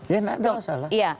ya tidak ada masalah